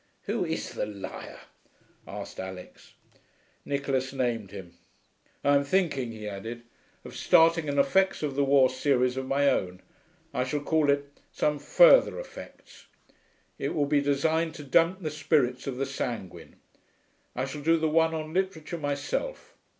'Who is the liar?' asked Alix. Nicholas named him. 'I am thinking,' he added, 'of starting an Effects of the War series of my own. I shall call it Some Further Effects. It will be designed to damp the spirits of the sanguine. I shall do the one on Literature myself.